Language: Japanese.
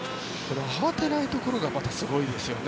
慌てないところがすごいですよね。